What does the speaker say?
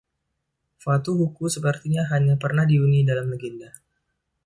Fatu Huku sepertinya hanya pernah dihuni dalam legenda.